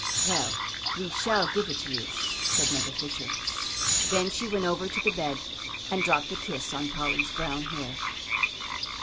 "Well, we shall give it to you," said Mother Fisher. Then she went over to the bed and dropped a kiss on Polly's brown hair.